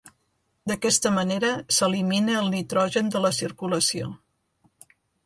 D'aquesta manera s'elimina el nitrogen de la circulació.